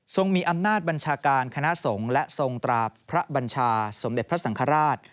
มีอำนาจบัญชาการคณะสงฆ์และทรงตราพระบัญชาสมเด็จพระสังฆราช